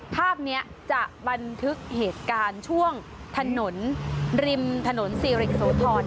ภาพนี้จะบันทึกเหตุการณ์ช่วงถนนริมถนนซีริกโสธร